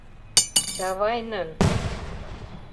— Чавайнын!